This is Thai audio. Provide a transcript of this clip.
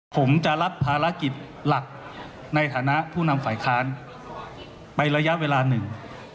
ผมจะรับภารกิจหลักในฐานะผู้นำฝ่ายค้านไประยะเวลาหนึ่ง